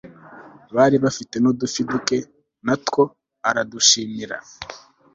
bari bafite n udufi duke na two aradushimira